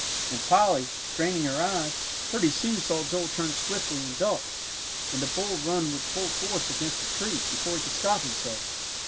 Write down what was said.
And Polly, straining her eyes, pretty soon saw Joel turn swiftly and duck, and the bull run with full force against a tree, before he could stop himself.